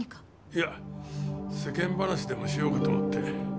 いや世間話でもしようかと思って。